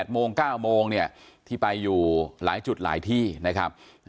โมง๙โมงเนี่ยที่ไปอยู่หลายจุดหลายที่นะครับ